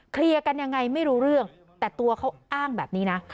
เคลียร์กันยังไงไม่รู้เรื่องแต่ตัวเขาอ้างแบบนี้นะ